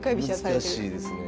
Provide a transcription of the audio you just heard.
難しいですね。